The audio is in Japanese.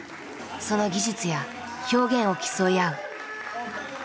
その技術や表現を競い合う。